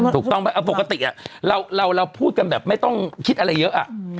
ถูกต้องไหมเอาปกติเราพูดกันแบบไม่ต้องคิดอะไรเยอะ